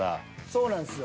そうなんすよ。